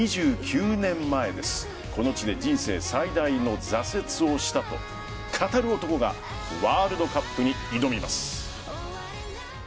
２９年前、この地で人生最大の挫折をしたと語る男がワールドカップに挑みます。